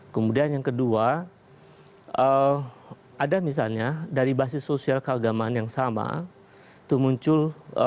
kemudian yang kedua ada misalnya dari basis sosial keagamaan yang sama itu muncul